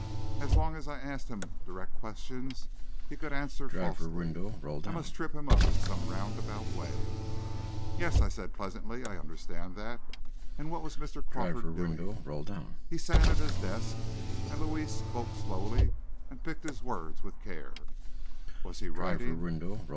As long as I asked him direct questions he could answer falsely. I must trip him up in some roundabout way. "Yes," I said pleasantly, "I understand that. And what was Mr. Crawford doing?" "He sat at his desk;" and Louis spoke slowly, and picked his words with care. "Was he writing?"